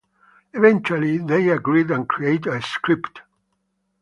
Eventually, they agreed and created a script.